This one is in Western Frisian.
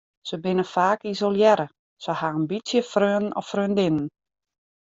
Se binne faak isolearre, se ha in bytsje freonen of freondinnen.